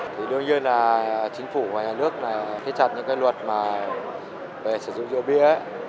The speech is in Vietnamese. thì đương nhiên là chính phủ và nhà nước là hết chặt những cái luật mà về sử dụng rượu bia